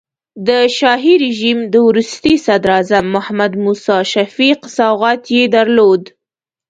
د شاهي رژیم د وروستي صدراعظم محمد موسی شفیق سوغات یې درلود.